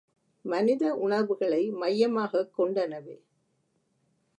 மனித உணர்வுகளை மையமாகக் கொண்டனவே.